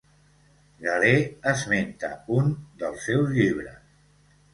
Galè esmenta un dels seus llibres.